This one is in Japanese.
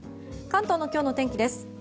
関東の今日の天気です。